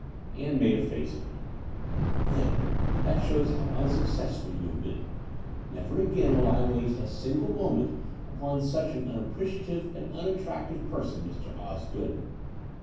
Ann made a face at me. "There, that shows how imsuccessful you have been. Never again will I waste a single moment The Dower House 247 upon such an unappreciative and unattractive person, Mr. Osgood!"